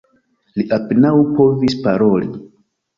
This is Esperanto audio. Li apenaŭ povis paroli.